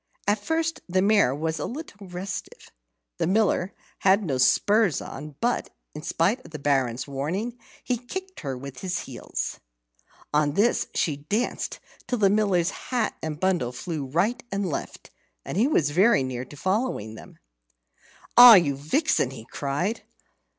At first the mare was a little restive. The Miller had no spurs on, but, in spite of the Baron's warning, he kicked her with his heels. On this, she danced till the Miller's hat and bundle flew right and left, and he was very near to following them. "Ah, you vixen!" he cried.